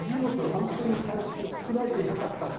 本当に作られていなかったのか